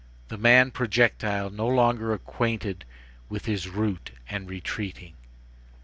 The man projectile no longer acquainted with his route and retreating!